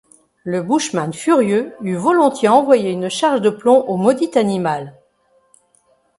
Le bushman, furieux, eût volontiers envoyé une charge de plomb au maudit animal!